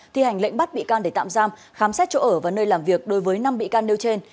thi hành lệnh bắt bị can để tạm giam khám xét chỗ ở và nơi làm việc đối với năm bị can nêu trên